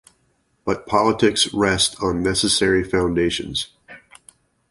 But politics rest on necessary foundations.